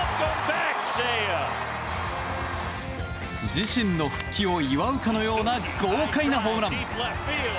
自身の復帰を祝うかのような豪快なホームラン。